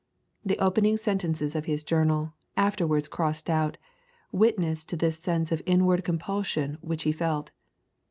The opening sentences of his journal, afterwards crossed out, witness to this sense of inward compulsion which he felt.